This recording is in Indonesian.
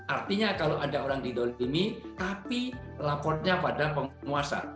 artinya kalau ada orang didolimi tapi lapornya pada penguasa